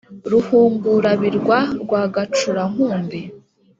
ruhungura-birwa rwa gacura-nkumbi.